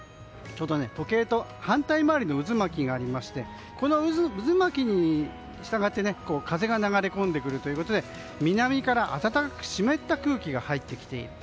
ちょうど時計と反対周りの渦巻きがありましてこの渦巻きに従って風が流れ込んでくるということで南から暖かい湿った空気が入ってきている。